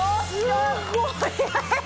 すっごい。